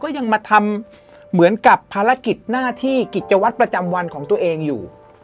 ยังมาทำเหมือนกับภารกิจหน้าที่กิจวัตรประจำวันของตัวเองอยู่